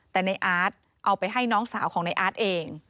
แต่ในอาร์ตเอาไปให้น้องสาวของในอาร์ตเอง